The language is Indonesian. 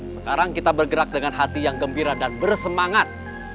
sekarang kita bergerak dengan hati yang gembira dan bersemangat